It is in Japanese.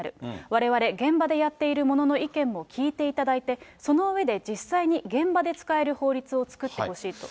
われわれ、現場でやっている者の意見も聞いていただいて、その上で実際に現場で使える法律を作ってほしいと。